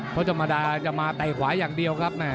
อย่างมาใจขวาอย่างเดียวครับ